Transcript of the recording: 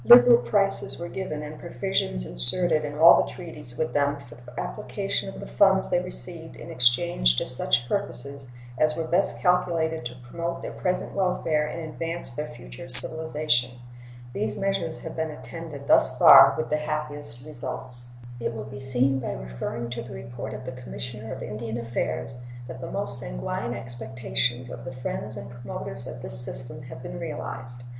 Liberal prices were given and provisions inserted in all the treaties with them for the application of the funds they received in exchange to such purposes as were best calculated to promote their present welfare and advance their future civilization. These measures have been attended thus far with the happiest results. It will be seen by referring to the report of the Commissioner of Indian Affairs that the most sanguine expectations of the friends and promoters of this system have been realized.